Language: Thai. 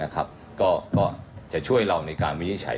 ก็จะช่วยเราในการวินิจฉัย